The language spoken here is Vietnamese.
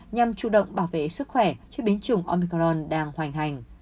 nhằm chủ động bảo vệ sức khỏe trước biến chủng omicron đang hoành hành